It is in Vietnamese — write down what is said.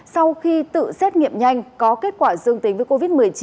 sau khi tự xét nghiệm nhanh có kết quả dương tính với covid một mươi chín